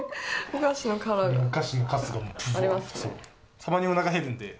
たまにおなか減るんで。